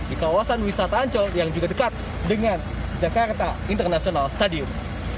di kawasan wisata ancol yang juga dekat dengan jakarta international stadium